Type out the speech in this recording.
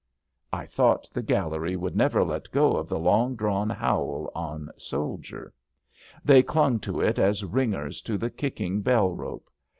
I thought the gallery would never let go of the long drawn howl on *^ soldier." They clung to it as ringers to the kicking bell rope.